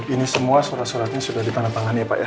ini semua surat suratnya sudah ditandatangani ya pak ya